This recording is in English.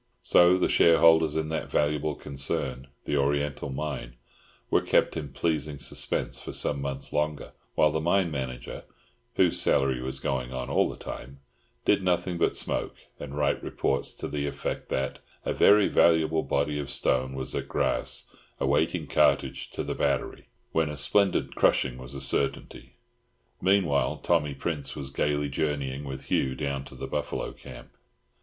So the shareholders in that valuable concern, the Oriental Mine, were kept in pleasing suspense for some months longer, while the mine manager (whose salary was going on all the time) did nothing but smoke, and write reports to the effect that "a very valuable body of stone was at grass, awaiting cartage to the battery, when a splendid crushing was a certainty." Meanwhile Tommy Prince was gaily journeying with Hugh down to the buffalo camp.